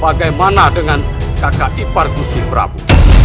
bagaimana dengan kakak ipar gusti prabu